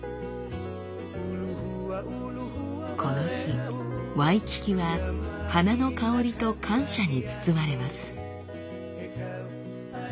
この日ワイキキは花の香りと感謝に包まれます。